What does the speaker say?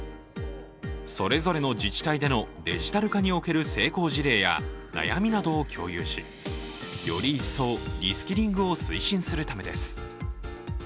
それぞれの自治体でのデジタル化における成功事例や悩みなどを共有しより一層リスキリングを推進するためです。